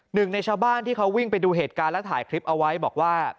หนึ่งในชาวบ้านที่เขาวิ่งไปดูเหตุการณ์และถ่ายคลิปเอาไว้บอกว่า